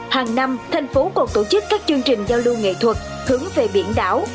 hàng năm thành phố còn tổ chức các chương trình giao lưu nghệ thuật hướng về biển đảo